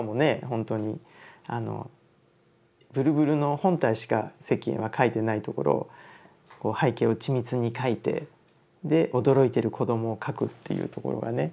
ほんとにあの震々の本体しか石燕は描いてないところを背景を緻密に描いてで驚いてる子供を描くっていうところがね。